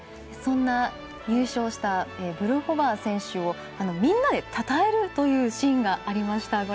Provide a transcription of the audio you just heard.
そんな優勝したブルホバー選手をみんなでたたえるというシーンがありました。